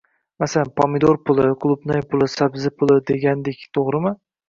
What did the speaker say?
Masalan, “pomidor puli”, “qulupnay puli”, “sabzi puli” degandik, to‘g‘rimi?